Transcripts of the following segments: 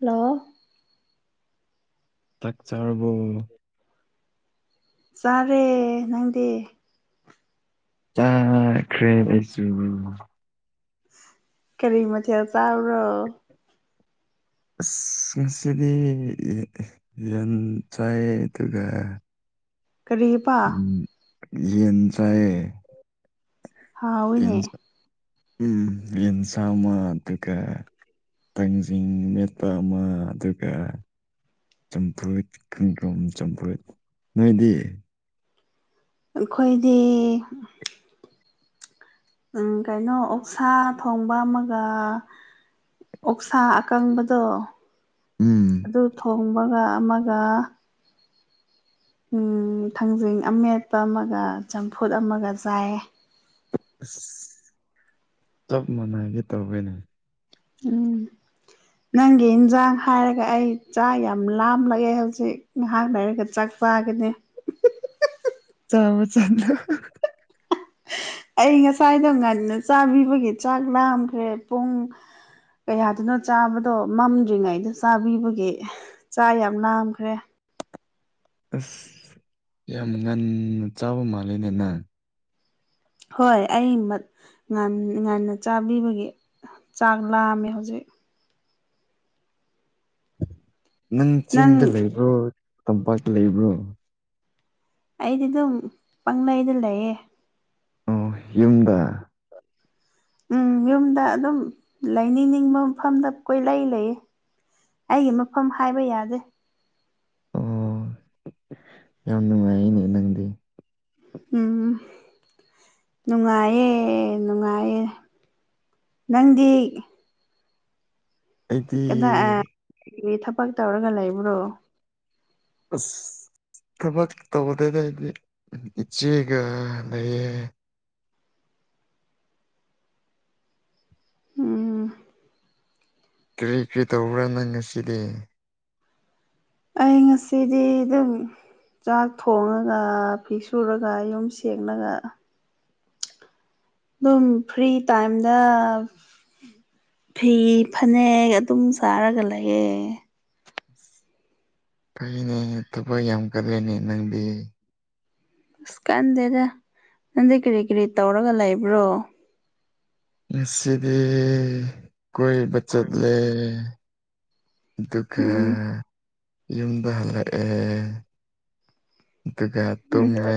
ꯂ ꯇꯥꯛ ꯆꯥꯔꯕꯣ ꯆꯥꯔꯦ ꯅꯪꯗꯤ ꯆꯥꯈ꯭ꯔꯦ ꯑꯩꯁꯨ ꯀꯔꯤ ꯃꯊꯦꯜ ꯆꯥꯔꯣ ꯑꯁ ꯉꯁꯤꯗꯤ ꯌꯦꯟ ꯆꯥꯏ ꯑꯗꯨꯒ ꯀꯔꯤꯄꯥ ꯌꯦ ꯆꯑ ꯍꯥꯎꯥꯎꯅꯦ ꯎꯝ ꯏꯟꯁꯃꯗꯨꯒ ꯇꯥꯡꯖꯤꯡ ꯃꯦꯠꯄ ꯑꯃ ꯑꯗꯨꯒ ꯆꯝꯐ꯭ꯔꯨꯠ ꯀꯀ꯭ꯔꯣꯝ ꯆꯝꯐ꯭ꯔꯨꯠ ꯅꯣꯏꯗꯤ ꯑꯩꯈꯣꯏꯗꯤ ꯎꯝ ꯀꯩꯅꯣ ꯑꯣꯛꯁꯥ ꯊꯣꯡꯕ ꯑꯃꯒ ꯑꯣꯛꯁꯥ ꯑꯀꯥꯡꯕꯗ ꯎꯝ ꯑꯗꯨ ꯊꯣꯡꯕꯒ ꯑꯃꯒ ꯊꯥꯡꯖꯤꯡ ꯑꯃꯦꯠꯄ ꯑꯃꯒ ꯆꯝꯐꯨꯠ ꯑꯃꯒ ꯆꯥꯏ ꯀꯞ ꯃꯅꯥꯏꯒꯦ ꯇꯧꯋꯦꯅꯦ ꯎꯝ ꯅꯪꯒꯤ ꯏꯟꯁꯥꯡ ꯍꯥꯏꯔꯒ ꯑꯩ ꯆꯥꯛ ꯌꯥꯝ ꯂꯥꯝꯂꯑꯦ ꯍꯧꯖꯤꯛ ꯉꯥꯏꯍꯥꯛ ꯂꯩꯔꯒ ꯆꯥꯛ ꯄꯥꯒꯅꯦ ꯆꯂ ꯆꯂ ꯑꯩ ꯉꯁꯥꯏꯗꯣ ꯉꯟꯅ ꯆꯥꯕꯤꯕꯒꯤ ꯆꯥꯛ ꯂꯥꯝꯈ꯭ꯔꯦ ꯄꯨꯡ ꯀꯌꯥꯗꯨꯅꯣ ꯆꯥꯕꯗꯣ ꯃꯝꯗ꯭ꯔꯤꯉꯩꯗ ꯆꯥꯕꯤꯕꯒꯦ ꯆꯥ ꯌꯥꯝ ꯅꯥꯝꯈ꯭ꯔꯦ ꯑꯁ ꯌꯥꯝ ꯉꯟꯅ ꯆꯥꯕ ꯃꯥꯜꯂꯦꯅꯦꯅ ꯍꯣꯏ ꯑꯩ ꯉꯟꯅ ꯆꯥꯕꯤꯕꯒꯤ ꯆꯥꯛ ꯂꯥꯛꯑꯝꯃꯦ ꯍꯧꯖꯤꯛ ꯅꯪ ꯆꯤꯡꯗ ꯂꯩꯕ꯭ꯔꯣ ꯇꯝꯄꯥꯛꯇ ꯂꯩꯕ꯭ꯔꯣ ꯑꯩꯗꯤ ꯑꯗꯨꯝ ꯄꯥꯡꯅꯩꯗ ꯂꯩꯌꯦ ꯌꯨꯝꯗ ꯎꯝ ꯌꯨꯝꯗ ꯑꯗꯨꯝ ꯂꯩꯅꯤꯡꯅꯤꯡꯕ ꯃꯐꯝꯗ ꯀꯣꯏ ꯂꯩ ꯂꯩꯌꯦ ꯑꯩꯒꯤ ꯃꯐꯝ ꯍꯥꯏꯕ ꯌꯥꯗꯦ ꯑꯣ ꯌꯥꯝ ꯅꯨꯡꯉꯥꯏ ꯑꯅꯦ ꯅꯪꯗꯤ ꯎ ꯎꯝ ꯅꯨꯡꯉꯥꯏꯌꯦ ꯅꯨꯡꯉꯥꯏꯌꯦ ꯅꯪꯗꯤ ꯑꯩ ꯀꯗꯥꯏ ꯊꯕꯛ ꯇꯧꯔꯒ ꯂꯩꯕ꯭ꯔꯣ ꯑꯁ ꯊꯕ ꯇꯧꯕꯗꯗꯗꯤ ꯏꯆꯦꯒ ꯂꯩꯦ ꯎꯝ ꯀꯔꯤ ꯀꯔꯤ ꯇꯧꯕ꯭ꯔꯥ ꯅꯪ ꯉꯁꯤꯗꯤ ꯑꯩ ꯉꯁꯤꯗꯤ ꯑꯗꯨꯝ ꯆꯥꯛ ꯊꯣꯡꯉꯒ ꯐꯤꯛ ꯁꯨꯔꯒ ꯌꯨꯝ ꯁꯦꯡꯡꯂꯒ [inaudible] ꯑꯗꯨꯝ ꯐ꯭ꯔꯤ ꯇꯥꯏꯝꯗ ꯐꯤ ꯐꯅꯦꯛ ꯑꯗꯨꯝ ꯆꯥꯔꯒ ꯂꯩꯑ ꯐꯩꯅꯦ ꯊꯕꯛ ꯌꯥꯝ ꯀꯜꯂꯦꯅꯦ ꯅꯪꯗꯤ ꯑꯁ ꯀꯥꯟꯗꯦꯗ ꯅꯪꯗꯤ ꯀꯔꯤ ꯀꯔꯤ ꯇꯧꯔꯒ ꯂꯩꯕ꯭ꯔꯣ ꯁꯤꯗꯤ ꯀꯣꯏ ꯆꯠ ꯂꯩꯦ ꯑꯗꯨꯒꯗꯨꯀ ꯎꯝ ꯌꯨꯝꯗ ꯍꯜꯂꯛꯦ ꯇ ꯎꯝ ꯇꯨꯝ ꯃ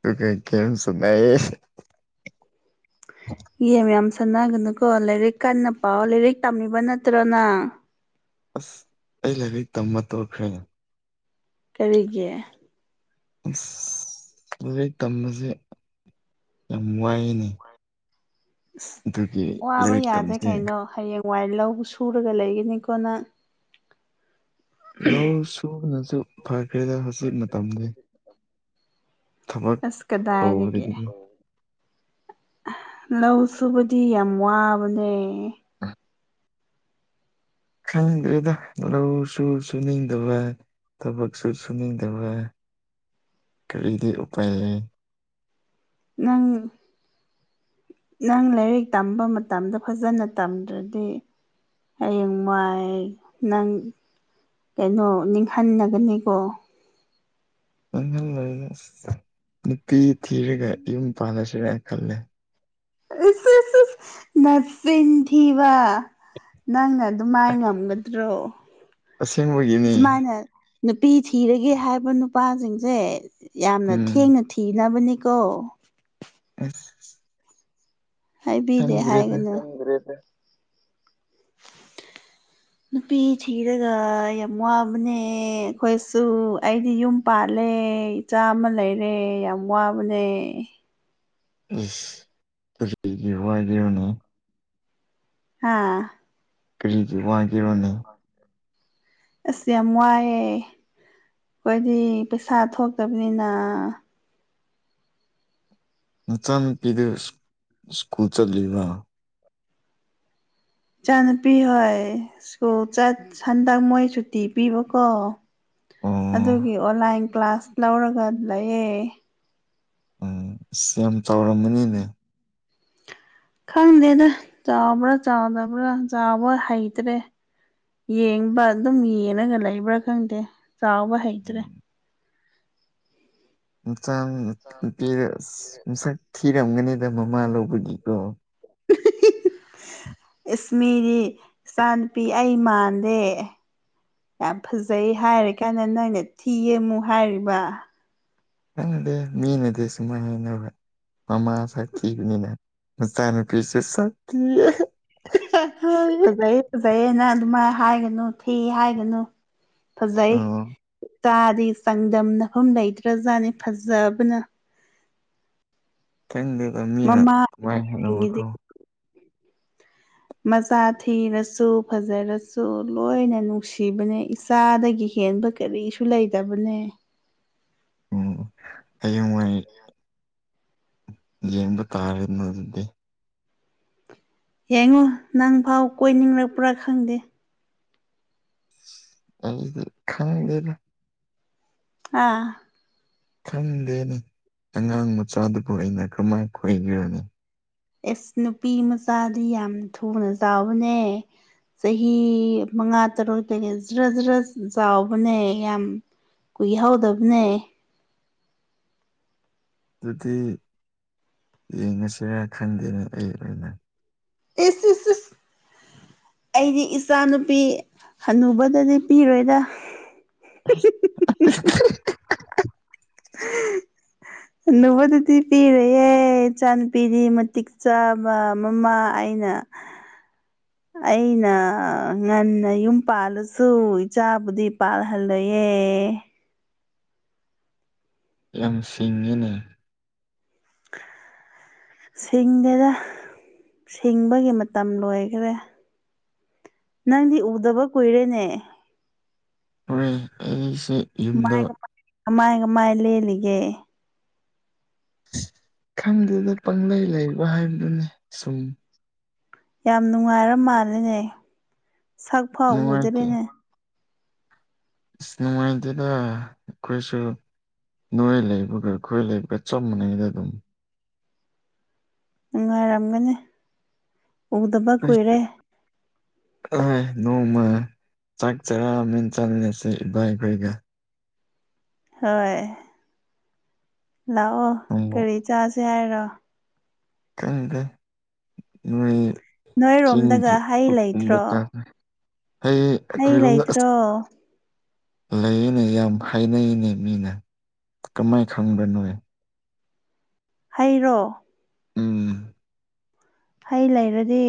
ꯇꯒ ꯀꯦꯁꯨꯃꯦ ꯌꯦ ꯃꯌꯥꯝ ꯁꯟꯅꯥꯒꯅꯨꯀꯣ ꯂꯥꯏꯔꯤꯛ ꯀꯟꯅ ꯄꯥꯎ ꯂꯥꯏꯔꯤꯛ ꯇꯝꯃꯤꯕ ꯅꯠꯇ꯭ꯔ ꯅꯪ ꯑꯁ ꯑꯩ ꯂꯥꯏꯔꯤꯛ ꯇꯝꯕ ꯇꯣꯛꯈ꯭ꯔꯦꯅ‌ꯦ ꯀꯔꯤꯒꯤ ꯑꯁ ꯂꯩꯔꯤꯛ ꯇꯝꯕꯖ‌ꯦ ꯌꯥꯝ ꯋꯥꯏꯅ‌ꯤ ꯋꯥꯕ ꯌꯥꯗꯦ ꯇꯝꯕꯁꯦ ꯀꯩꯅꯣ ꯍꯌꯦꯡ ꯋꯥꯏ ꯂꯧꯕ ꯁꯨꯔꯒ ꯂꯩꯒꯅꯤꯀꯣ ꯅꯪ ꯂꯧ ꯁꯨꯕꯅꯁꯨ ꯐꯈ꯭ꯔꯦꯗ ꯍꯧꯖꯤꯛ ꯃꯇꯝꯗꯤ ꯊꯕꯛ ꯑꯁ ꯀꯗꯥꯏꯗꯒꯤ ꯇꯧꯕꯗꯒꯤꯗꯤ ꯂꯧ ꯁꯨꯕꯗꯤ ꯌꯥꯝ ꯋꯥꯕꯅꯦ ꯑ ꯈꯪꯗꯦꯗ ꯂꯧꯁꯨ ꯁꯨꯅꯤꯡꯗꯕ ꯊꯕꯛꯁꯨ ꯁꯨꯅꯤꯗꯕ ꯀꯔꯤꯗꯤ ꯎꯄꯥꯏꯂꯩ ꯅꯪ ꯅꯪ ꯂꯥꯏꯔꯤꯛ ꯇꯝꯕ ꯃꯇꯝꯗ ꯐꯖꯅ ꯇꯝꯗ꯭ꯔꯗꯤ ꯍꯌꯦꯡ ꯋꯥꯏ ꯅꯪ ꯀꯩꯅꯣ ꯅꯤꯡꯍꯟꯅꯒꯅꯤꯀꯣ ꯅꯤꯡꯍꯜ ꯂꫭꯏꯗ ꯑꯁ ꯅꯨꯄꯤ ꯊꯤꯔꯒ ꯌꯨꯝ ꯄꯥꯟꯜꯂꯁ ꯖꯤꫪꯥꯏꯅꯜꯂꯦ ꯑꯁ ꯑꯁ ꯑꯁ ꯅꯆꯤꯟ ꯊꯤꯕ ꯅꯪꯅ ꯑꯗꯨꯃꯥꯏ ꯉꯝꯒꯗ꯭ꯔꯣ ꯑꯁꯦꯡꯕꯒꯤꯅꯤ ꯁꯨꯃꯥꯏꯅ ꯅꯨꯄꯤ ꯊꯤꯔꯒꯦ ꯍꯥꯏꯕ ꯅꯨꯄꯥꯁꯤꯡꯁꯦ ꯌꯥꯝꯅ ꯎꯝ ꯊꯦꯡꯅ ꯊꯤꯅꯕꯅꯤ ꯀꯣ ꯑꯁ ꯍꯥꯏꯕꯤꯗ‌ꯦ ꯈꯪꯗ꯭ꯔꯦꯗ ꯍꯥꯏꯒꯅꯨ ꯈꯪꯗꫪ‌ꯦꯗ [inaudible] ꯅꯨꯄꯤ ꯊꯤꯔꯒ ꯌꯥꯝ ꯋꯥꯕꯅꯦ ꯑꯩꯈꯣꯏꯁꯨ ꯑꯩꯗꯤ ꯌꯨꯝ ꯄꯥꯜꯂꯦ ꯑ‌ꯦ ꯏꯆꯥ ꯑꯃ ꯂꯩꯔꯦ ꯌꯥꯝ ꯋꯥꯕꯅꯦ ꯀꫪꯤꯒꯤ ꯋꯥꯏꫪꯤꯕꯅꫭ ꯍ ꯀꯔꯤꯒꯤ ꯋꯥꯏꯒꯤꯕꯅꫭ ꯑꯁ ꯌꯥꯝ ꯋꯥꯥꯏꯌꯦ ꯑꯩꯈꫭꯗꯤ ꯄꯩꯁꯥ ꯊꯣꯛꯇꯕꯅꯤꯅ ꯅꯆꯥꯅꯨꯄꯤꯗꯨ ꯁ꯭ꯀꯨꯜ ꯆꯠꯂꯤꯕꫭ ꯏꯆꯥ ꯅꯨꯄꯤ ꯍꯣꯏ ꯁ꯭ꯀꯨꯜ ꯆꯠ ꯁꯟꯗꯛ ꯃꯣꯏ ꯁꯨꯇꯤ ꯄꯤꯕꯀꯣ ꯑꯗꯨꯒꯤ ꯑꯣ ꯑꯣꯟꯂꯥꯏꯟ ꯀ꯭ꯂꯥꯁ ꯂꯧꯔꯒ ꯂꯩꯌ‌ꯦ ꯎꯝ ꯑꯁ ꯌꯥꯝ ꯆꯥꯎꯔꯝꯃꯅꯤꯅꯦ ꯈꯪꯗꯦꯗ ꯆꯥꯎꯕꫪ ꯆꯥꯎꯗꯕ꯭ꯔꯥ ꯆꯥꯎꯕ ꯍꯩꯇ꯭ꯔꯦ ꯌꯦꯡꯕ ꯑꯗꯨꯝ ꯌꯦꯡꯉꯒ ꯂꯩꯕ꯭ꯔꯥ ꯈꯪꯗꯦ ꯆꯥꯎꯕ ꯍꯩꯇ꯭ꯔꯦ ꯆꯥꯡ ꯄꯤꯔꯁ ꯃꯁꯛ ꯊꯤꯔꯝꯒꯅꯤꯗ ꯃꯃꯥ ꯂꯧꯕꯒꯤꯀꯣ [inaudible] ꯏꯁꯃꯤꯗꯤ ꯏꯆꯥ ꯅꯨꯨꯄꯤ ꯑꯩ ꯃꯥꯟꯗꯦ ꯌꯥꯝ ꯐꯖꯩ ꯍꯥꯏꯔꯤ ꯀꯥꯟꯗ ꯅꯣꯏꯅ ꯊꯤꯌ‌ꯦ ꯃꯨꯛ ꯍꯥꯏꯔꯤꯕ ꯅꯪꯅꯗꯤ ꯃꯤꯅꯗꯤ ꯁꯨꯃꯥꯏꯅ ꯍꯥꯏꯅꯕ ꯃꯃꯥ ꯁꯛꯊꯤꯕꯅꯤꯅ ꯃꯆꯥꯅꯨꯄꯤꯁꯨ ꯁꯛꯗꯤꯌ‌ꯦ ꯐꯖꯩꯌꯦ ꯐꯖꯩꯌꯦ ꯅꯪ ꯑꯗꯨꯃꯥꯏ ꯍꯥꯏꯒꯅꯨ ꯊꯤ ꯍꯥꯏꯒꯅꯨ ꯐꯖꯥꯏ ꯑꯣ ꯏꯆꯥꯗꯤ ꯆꯥꯡꯗꯝꯅꯐꯝ ꯂꯩꯇ꯭ꯔꯖꯥꯠꯅꯤ ꯐꯖꯕꯅ ꯈꯪꯗꯦꯗ ꯃꯤꯅ ꯑꯗꯨꯃꯥꯏ ꯍꯥꯏꯅꯕꯗꯣ ꯃꯃꯥꯁꯤꯡꯒꯤꯗꯤ ꯃꯆꯥ ꯊꯤꯔꯁꯨ ꯐꯖꯔꯁꯨ ꯂꯣꯏꯅ ꯅꯨꯡꯁꯤꯕꯅꯦ ꯏꯆꯥꯗꯒꯤ ꯍ‌ꯦꯟꯕ ꯀꯔꯤꯁꯨ ꯂꯩꯇꯕꯅꯦ ꯎꯝ ꯍꯌꯦꯡ ꯋꯥꯥꯏ ꯌꯦꯡꯕ ꯇꯥꯔꯦꯗꯅ ꯑꯗꯨꯗꯤ ꯌꯥꯡꯉꯣ ꯅꯪ ꯐꯥꯎ ꯀꯣꯏꯅꯤꯡꯔꯛꯄ꯭ꯔꯥ ꯈꯪꯗꯦ ꯑꯩꯗꯤ ꯈꯪꯗꯦꯗ ꯑꯥ ꯈꯪꯗꯦꯅꯦ ꯑꯉꯥꯡ ꯃꯆꯥꯗꯨꯕꯨ ꯑꯩꯅ ꯀ꯭ꯔꯃꯥꯏ ꯀꯣꯏꯒꯦꯔꯥꯅꯤ ꯑꯦꯁ ꯅꯨꯄꯤ ꯃꯆꯥꯗꯤ ꯌꯥꯝ ꯊꯨꯅ ꯆꯥꯎꯕꯅꯦ ꯆꯍꯤ ꯃꯉꯥ ꯇꯔꯨꯛꯇꯒꯤ ꯖ꯭ꯔ ꯖ꯭ꯔ ꯆꯥꯎꯕꯅꯦ ꯌꯥꯝ ꯀꯨꯏ ꯍꯧꯗꯕꯅꯦ ꯑꯗꯨꯗꯤ ꯌꯦꯡꯉꯁꯤꯔꯥ ꯈꯟꯗꯦꯅꯦ ꯑꯩ ꯑꯣꯏꯅ ꯏꯁ ꯏꯁ ꯁꯤꯁ ꯑꯩꯗꯤ ꯏꯆꯥ ꯅꯨꯨꯄꯤ ꯍꯟꯅꯨꯕꯗꯗꯤ ꯄꯤꯔꯣꯏꯗꯥ ꯍꯨꯍꯨꯍꯨ [inaudible] ꯍꯅꯨꯕꯗꯗꯤ ꯄꯤꯔꯦꯌꯦ ꯏꯆꯥ ꯅꯨꯨꯄꯤꯗꯤ ꯃꯇꯤꯛ ꯆꯥꯕ ꯃꯃꯥ ꯑꯩꯅ [inaudible] ꯑꯩꯅ ꯉꯟꯅ ꯌꯨꯝ ꯄꯥꯜꯂꯁꯨ ꯏꯆꯥꯕꯨꯗꯤ ꯄꯥꯜꯍꯜꯂꯣꯏꯌꯦ ꯑꯦ ꯌꯥꯝ ꯁꯤꯡꯉꯤꯅꯦ [inaudible] ꯁꯤꯡꯗꯦꯗ ꯁꯤꯡꯕꯒꯤ ꯃꯇꯝ ꯂꯣꯏꯈ꯭ꯔꯦ ꯅꯪꯗꯤ ꯎꯗꯕ ꯀꯨꯏꯔꯦꯅꯦ ꯍꯣꯏ ꯑꯩꯁꯦ ꯌꯨꯝꯗ ꯀꯃꯥꯏ ꯀꯃꯥꯏ ꯀꯃꯥꯏ ꯀꯃꯥꯏ ꯂꯦꯜꯂꯤꯒꯦ ꯈꯪꯗꯗ ꯄꯪꯂꯩ ꯂꯩꯕ ꯍꯥꯏꯕꯗꯨꯅꯤ ꯁꯨꯝ ꯌꯥꯝ ꯅꯨꯡꯉꯥꯏꯔ ꯃꯥꯜꯂꯦꯅꯦ ꯁꯛꯐꯥꯎ ꯎꯗꯔꯦꯅꯦ ꯏꯁ ꯅꯨꯡꯉꯥꯏꯇꯦꯗ ꯈꯣꯏꯁꯨ ꯅꯣꯏ ꯂꯩꯕꯒ ꯑꯩꯈꯣꯏ ꯂꯩꯕꯒ ꯆꯞ ꯃꯥꯟꯅꯩꯗ ꯑꯗꯨꯝ ꯅꯨꯡꯉꯥꯏꯔꯝꯒꯅꯤ ꯎꯗꯕ ꯀꯨꯏꯔꯦ ꯑꯣꯏ ꯅꯣꯡꯃ ꯆꯥꯛ ꯆꯔꯥ ꯃꯦꯟ ꯆꯥꯃꯤꯟꯅꯁꯦ ꯏꯕꯥꯏ ꯈꯣꯏꯒ ꯍꯣꯏ ꯂꯥꯛꯑꯣ ꯅꯣꯡꯃ ꯀꯔꯤ ꯆꯥꯁꯦ ꯍꯥꯏꯔꯣ ꯈꯪꯗꯦ ꯅꯣꯏ ꯆꯤꯡꯒꯤ ꯅꯣꯏꯔꯣꯝꯗꯒ ꯍꯩ ꯎ ꯂꯩꯇ꯭ꯔꯣ [unintelligible] ꯆꯥꯛꯇꯣ ꯑꯩ ꯍꯩ ꯑꯩꯈꯣꯏꯔꯣꯝꯗ ꯑꯁ ꯂꯩꯇ꯭ꯔꯣ ꯂꯩꯔꯦꯅꯦ ꯌꯥꯝ ꯍꯥꯏꯅꯩꯅꯦ ꯃꯤꯅ ꯀꯃꯥꯏ ꯈꯪꯕ꯭ꯔꯥ ꯅꯣꯏ ꯍꯩꯔꯣ ꯎꯝ ꯍꯩ ꯂꯩꯔꯗꯤ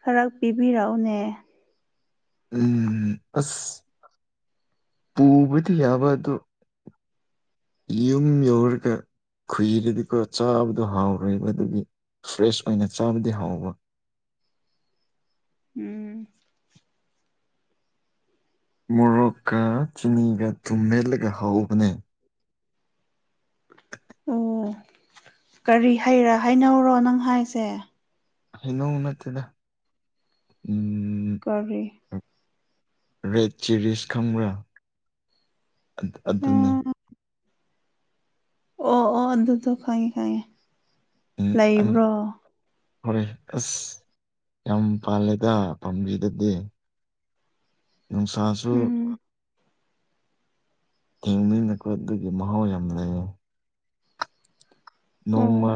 ꯈꯔ ꯄꯤꯕꯤꯔꯛꯎꯅꯦ ꯎꯝ ꯑꯁ ꯄꯨꯕꯗꯤ ꯌꯥꯕ ꯑꯗꯨ ꯌꯨꯝ ꯌꯧꯔꯒ ꯈꯨꯏꯔꯗꯤꯀꯣ ꯆꯥꯕꯗꯣ ꯍꯥꯎꯔꯣꯏꯕ ꯑꯗꯨꯒꯤ ꯐ꯭ꯔꯦꯁ ꯑꯣꯏꯅ ꯆꯥꯕꯗꯤ ꯍꯥꯎꯕ ꯎꯝ ꯃꯣꯔꯣꯛꯀ ꯆꯤꯅꯤꯒ ꯊꯨꯝ ꯃꯦꯠꯂꯒ ꯍꯥꯎꯕꯅꯦ ꯑꯣ ꯀꯔꯤ ꯍꯩꯔꯥ ꯍꯥꯏꯅꯧꯔꯣ ꯅꯪ ꯍꯥꯏꯁꯦ ꯍꯩꯅꯧ ꯅꯠꯇꯦꯗ ꯎꯝ ꯀꯔꯤ ꯔꯦꯠ ꯆꯤꯔꯤꯁ ꯈꯪꯕ꯭ꯔꯥ ꯑꯗ ꯑꯗꯨꯅꯦ ꯑꯣ ꯑꯣ ꯑꯗꯨꯗꯣ ꯈꯪꯉꯦ ꯈꯪꯉꯦ ꯂꯩꯕ꯭ꯔꯣ ꯍꯣꯔꯦ ꯑꯁ ꯌꯥꯝ ꯄꯥꯜꯂꯦꯗ ꯄꯥꯝꯕꯤꯗꯗꯤ ꯅꯨꯡꯁꯥꯁꯨ ꯎꯝ ꯊꯦꯡꯃꯤꯅ ꯑꯗꯨꯒꯤ ꯃꯍꯥꯎ ꯌꯥꯝꯅ ꯂꯩꯌꯦ ꯑꯣ ꯅꯣꯡꯃ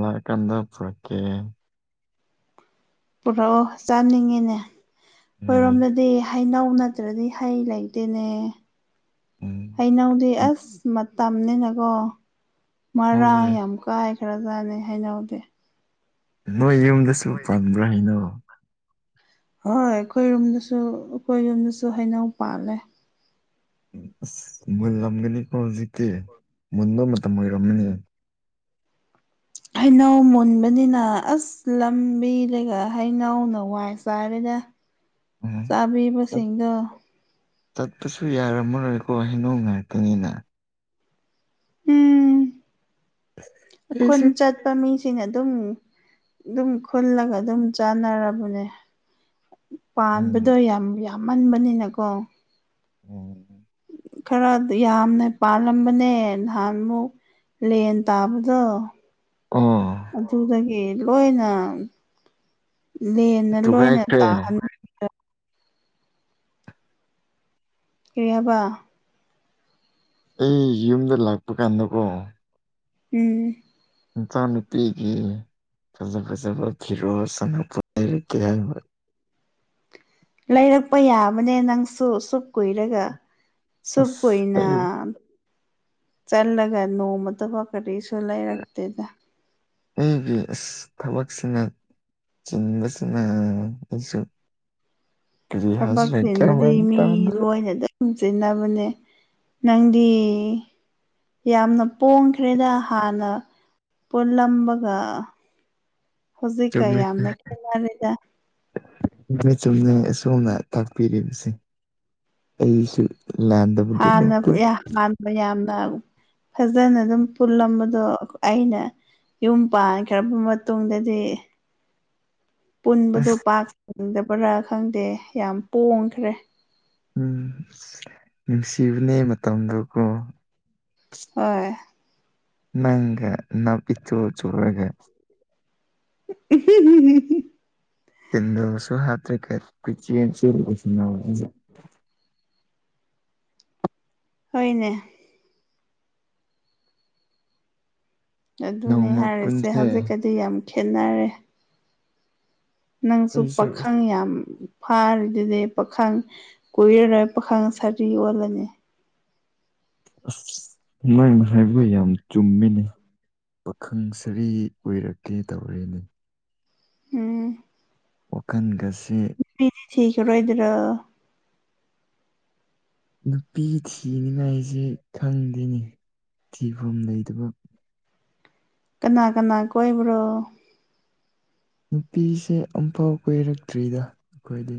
ꯂꯥꯛꯀꯥꯟꯗ ꯄꯨꯔꯛꯀꯦ ꯄꯨꯔꯛꯑꯣ ꯆꯥꯅꯤꯡꯉꯤꯅꯦ ꯍꯣꯏ ꯑꯩꯣꯏꯔꯣꯝꯗꯗꯤ ꯍꯩꯅꯧ ꯅꯠꯇ꯭ꯔꯗꯤ ꯍꯩ ꯂꯩꯇꯦꯅꯦ ꯎꯝ ꯍꯩꯅꯧꯗꯤ ꯑꯁ ꯃꯇꯝꯅꯤꯅꯤꯅꯀꯣ ꯍꯣꯏ ꯃꯔꯥꯡ ꯍꯣꯏ ꯌꯥꯝ ꯀꯥꯏꯈ꯭ꯔꯖꯥꯠꯅ ꯍꯥꯏꯅꯧꯗꯦ ꯅꯣꯏ ꯌꯨꯝꯗꯁꯨ ꯄꯕ꯭ꯔꯥ ꯍꯥꯏꯩꯅꯣ ꯍꯣꯏ ꯑꯩꯈꯣꯏꯔꯣꯝꯗꯁꯨ ꯑꯩꯈꯣꯏꯔꯣꯝꯗꯁꯨ ꯍꯩꯅꯧ ꯄꯥꯜꯂꯦ ꯑꯁ ꯃꯨꯜꯂꯝꯒꯅꯤꯀꯣ ꯍꯧꯖꯤꯛꯇꯤ ꯃꯨꯟꯕ ꯃꯇꯝ ꯑꯣꯏꯔꯝꯒꯅꯤ ꯍꯩꯅꯧ ꯃꯨꯟꯕꯅꯤꯅ ꯑꯁ ꯂꯝꯕꯤꯔꯒ ꯍꯩꯅꯧꯅ ꯋꯥꯏ ꯆꯥꯏꯔꯗ ꯎꯝ ꯆꯠ ꯆꯥꯕꯤꯕꯁꯤꯡꯒ ꯆꯠꯄꯁꯨ ꯌꯥꯔꯝꯃꯔꯣꯏꯀꯣ ꯍꯩꯅꯧ ꯉꯥꯛꯇꯅꯤꯅ ꯎꯝ ꯑꯩ ꯈꯨꯟ ꯑꯩꯁꯨ ꯆꯠꯄ ꯃꯤ ꯁꯤꯅ ꯑꯗꯨꯝ ꯑꯗꯨꯝ ꯈꯨꯜꯂꯒ ꯑꯗꯨꯝ ꯆꯥꯟꯅꯔꯕꯅꯦ ꯎꯝ ꯄꯥꯟꯕꯗꯣ ꯌꯥꯝ ꯌꯥꯝꯃꯟꯕꯅꯤꯅꯀꯣ ꯎꯝ ꯈꯔ ꯌꯥꯝꯅ ꯄꯥꯜꯂꯝꯕꯅꯦ ꯅꯍꯥꯟꯃꯨꯛ ꯂꯦꯟ ꯇꯥꯕꯗꯣ ꯑꯣ ꯑꯗꯨꯗꯒꯤ ꯂꯣꯏꯅ ꯂꯦꯟꯅ ꯂꯣꯏꯅ ꯊꯨꯒꯥꯏꯈ꯭ꯔꯦ ꯇꯥꯍꯟꯅꯤꯡ ꯀꯔꯤꯍꯕ ꯑꯩ ꯌꯨꯝꯗ ꯂꯥꯛꯄ ꯀꯥꯟꯗꯀꯣ ꯎꯝ ꯏꯟꯁꯥ ꯅꯨꯄꯤꯤꯒꯤ ꯐꯖ ꯐꯖꯕ ꯐꯔꯣ ꯁꯅꯔ ꯀ ꯂꯩꯔꯛꯄ ꯌꯥꯕꯅꯦ ꯅꯪꯁꯨ ꯁꯨꯞ ꯀꯨꯏꯔꯒ ꯁꯕ ꯑꯁ ꯀꯣꯏꯅ ꯑꯩ ꯆꯜꯂꯒ ꯅꯣꯡꯃꯠꯇꯐ ꯀ ꯁꯨ ꯂꯩꯔꯛꯇꯦꯗ ꯑꯩꯒꯤ ꯑꯁ ꯊꯕꯛꯁꯤꯅ ꯆꯤꯟꯕꯁꯤꯅꯥ ꯊꯕꯛ ꯆꯦꯟꯕꯗꯤ ꯃꯤ ꯂꯣꯏꯅꯗ ꯆ ꯆꯦꯟꯅꯅꯕꯅꯦ ꯅꯪꯗꯤ ꯌꯥꯝꯅ ꯄꯣꯡꯈ꯭ꯔꯦꯗ ꯍꯥꯟꯅ ꯄꯨꯜꯂꯝꯕꯒ ꯍꯧꯖꯤꯛꯀ ꯌꯥꯝꯅ ꯈꯦꯅꯔꯦꯗ ꯆꯨꯝꯅ ꯁꯣꯝꯅ ꯇꯥꯛꯄꯤꯔꯤꯕꯁꯦ ꯑꯩꯁꯨ ꯂꯥꯟꯗꯕꯗꯤ ꯍꯥꯟꯅ ꯂꯩꯇꯦ ꯍꯥꯟꯕ ꯌꯥꯝꯅ ꯐꯖꯅ ꯑꯗꯨꯝ ꯄꯨꯜꯂꯝꯕꯗꯣ ꯑꯩꯅ ꯌꯨꯝ ꯄꯥꯟꯈ꯭ꯔꯕ ꯃꯇꯨꯡꯗꯗꯤ [inaudible] ꯄꯨꯟꯕꯗꯣ ꯑꯁ ꯄꯥꯛ ꯆꯪꯗꯕ꯭ꯔꯥ ꯈꯪꯗꯦ ꯌꯥꯝ ꯄꯣꯡꯈ꯭ꯔꯦ ꯎꯝ ꯅꯨꯡꯁꯤꯕꯅꯦ ꯃꯇꯝꯗꯀꯣ ꯍꯣꯏ ꯅꯪꯒ ꯅꯥꯞ ꯏꯆꯣ ꯆꯣꯔꯒꯥ [unintelligible] ꯆ ꯁꯨꯍꯇ ꯀ [inaudible] ꯍꯣꯏꯅꯦ ꯑꯗꯨꯅꯦ ꯅꯣꯡꯃ ꯍꯥꯏꯔꯤꯁꯦ ꯄꯨꯟꯁꯦ ꯍꯧꯖꯤꯛꯀꯗꯤ ꯌꯥꯝ ꯈꯦꯅꯔꯦ ꯅꯪꯁꯨ ꯑꯩꯁꯨ ꯑꯁ ꯄꯥꯈꯪ ꯌꯥꯝ ꯐꯥꯔꯤꯗꯨꯗꯤ ꯄꯥꯈꯪ ꯀꯣꯏꯏꯔꯔꯣꯏ ꯄꯥꯈꯪ ꯁꯥꯔꯤ ꯑꯣꯜꯂꯅꯤ ꯑꯁ ꯅꯪ ꯍꯥꯏꯕ ꯌꯥꯝ ꯆꯨꯝꯃꯤꯅꯦ ꯄꯥꯈꯪ ꯁꯔꯤ ꯑꯣꯏꯔꯛꯀꯦ ꯇꯧꯔꯤꯅꯦ ꯎꯝ ꯋꯥꯈꯟꯒꯁꯤ ꯊꯤꯈꯤꯔꯣꯏꯗꯔꯥ ꯅꯨꯄꯤ ꯊꯤꯅꯤꯉꯥꯏꯁꯦ ꯈꯪꯗꯦꯅꯤ ꯊꯤꯐꯝ ꯂꯩꯇꯕ ꯀꯅꯥ ꯀꯅꯥ ꯀꯣꯏꯕ꯭ꯔꯣ ꯅꯨꯄꯤꯁꯦ ꯑꯃꯨꯐꯥꯎ ꯀꯣꯏꯔꯛꯇ꯭ꯔꯤꯗ ꯑꯩꯈꯣꯏꯗꯤ